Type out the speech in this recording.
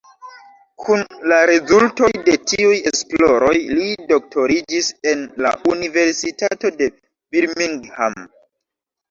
Kun la rezultoj de tiuj esploroj li doktoriĝis en la universitato de Birmingham.